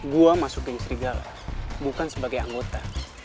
gue masuk ke jaket serigala bukan sebagai anggota